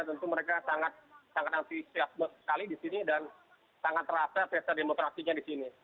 tentu mereka sangat antusiasme sekali di sini dan sangat terasa pesta demokrasinya di sini